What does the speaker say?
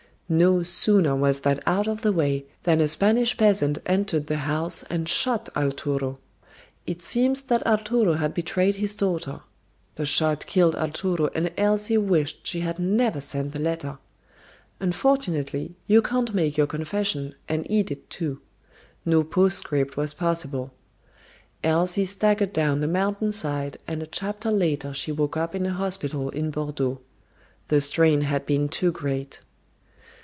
No sooner was that out of the way than a Spanish peasant entered the house and shot Arturo. It seems that Arturo had betrayed his daughter. The shot killed Arturo and Elsie wished she had never sent the letter. Unfortunately, you can't make your confession and eat it too. No postscript was possible. Elsie staggered down the mountain side and a chapter later she woke up in a hospital in Bordeaux. The strain had been too great.